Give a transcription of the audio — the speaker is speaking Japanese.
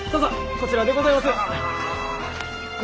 こちらでございます！